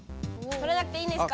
とらなくていいんですか？